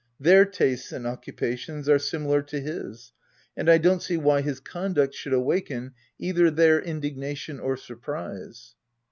Their tastes and occupations are similar to his, and I don't see why his conduct should awaken either their indignation or surprise.